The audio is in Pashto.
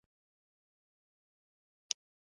آزاد تجارت مهم دی ځکه چې سطح لوړوي.